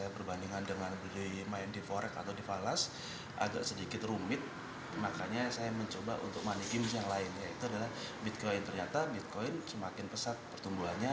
pertumbuhannya makin pesat